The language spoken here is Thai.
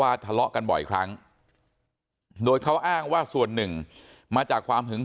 ทะเลาะกันบ่อยครั้งโดยเขาอ้างว่าส่วนหนึ่งมาจากความหึง